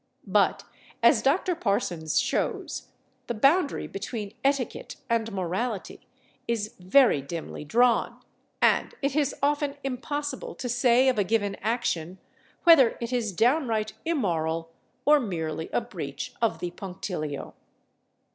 But, as Dr. Parsons shows, the boundary between etiquette and morality is very dimly drawn, and it is often impossible to say of a given action whether it is downright immoral or merely a breach of the punctilio.